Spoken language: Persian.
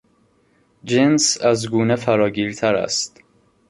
جنس از گونه فراگیرتر است.